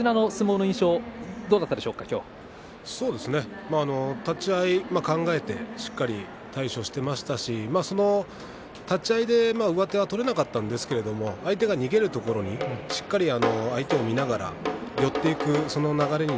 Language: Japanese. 結びの横綱の相撲の印象は立ち合い考えてしっかりと対処していましたし立ち合いで上手は取れなかったんですけれど相手が逃げるところにしっかりと相手を見ながら寄っていくその流れに